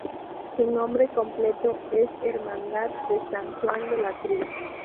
Su nombre completo es Hermandad de San Juan de la Cruz.